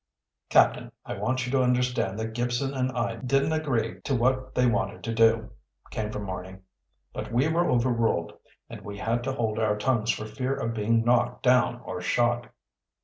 "Captain, I want you to understand that Gibson and I didn't agree to what they wanted to do," came from Marny. "But we were overruled, and we had to hold our tongues for fear of being knocked down or shot."